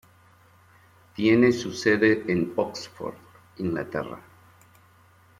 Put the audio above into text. Tiene su sede en Oxford, Inglaterra.